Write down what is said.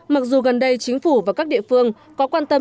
mặc dù gần đây chính phủ và các địa phương có quan tâm